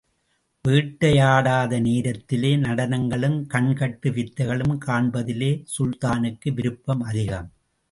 வேட்டையாடாத நேரத்திலே, நடனங்களும் கண்கட்டு வித்தைகளும் காண்பதிலே சுல்தானுக்கு விருப்பம் அதிகம்.